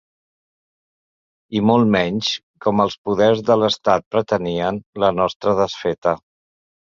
I, molt menys, com els poders de l’estat pretenien, la nostra desfeta.